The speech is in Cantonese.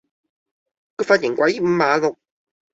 個髮型鬼五馬六